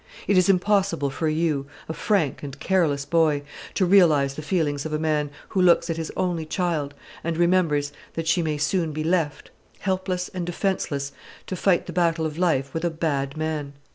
It is impossible for you, a frank and careless boy, to realise the feelings of a man who looks at his only child, and remembers that she may soon be left, helpless and defenceless, to fight the battle of life with a bad man.